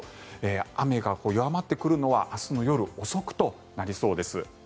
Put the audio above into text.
雨が弱まってくるのは明日の夜遅くとなりそうです。